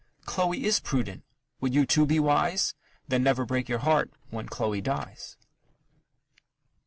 Chloe is prudent would you too be wise? Then never break your heart when Chloe dies.